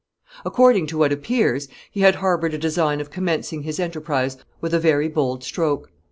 According to what appears, he had harbored a design of commencing his enterprise with a very bold stroke.